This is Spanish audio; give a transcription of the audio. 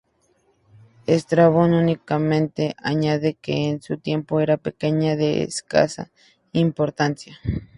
Estrabón únicamente añade que en su tiempo era pequeña y de escasa importancia.